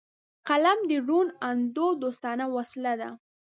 قلم د روڼ اندو دوستانه وسله ده